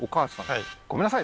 はいごめんなさい